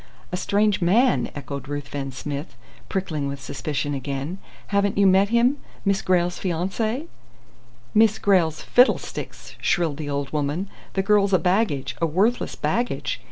"A strange man!" echoed Ruthven Smith, prickling with suspicion again. "Haven't you met him, Miss Grayle's fiancé?" "Miss Grayle's fiddlesticks!" shrilled the old woman. "The girl's a baggage, a worthless baggage!